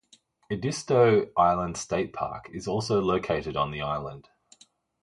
Edisto Island State Park is also located on the island.